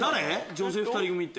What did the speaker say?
女性２人組って。